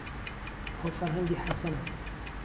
ئەوە فەرهەنگی حەسەنە.